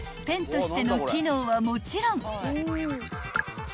［ペンとしての機能はもちろん］